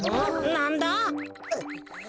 なんだ？